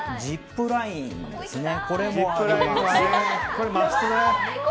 ジップラインですね。